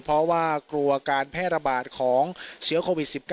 เพราะว่ากลัวการแพร่ระบาดของเชื้อโควิด๑๙